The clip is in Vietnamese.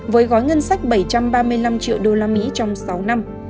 với gói ngân sách bảy trăm ba mươi năm triệu usd trong sáu năm